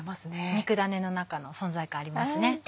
肉だねの中の存在感ありますね。